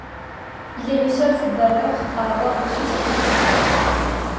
Il est le seul footballeur à avoir reçu cette récompense.